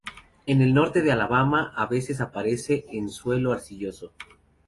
En el norte de Alabama, a veces aparece en suelo arcilloso.